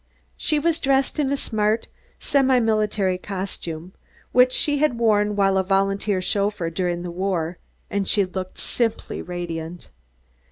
She was dressed in a smart, semi military costume which she had worn while a volunteer chauffeur during the war, and she looked simply radiant.